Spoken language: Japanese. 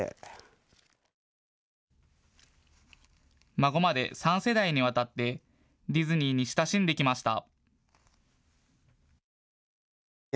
孫まで３世代にわたってディズニーに親しんできました。